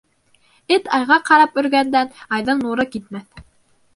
Эт айға ҡарап өргәндән, айҙың нуры китмәҫ.